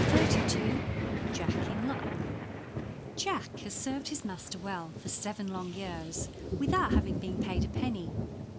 JACK IN LUCK Jack had served his master well for seven long years without having been paid a penny.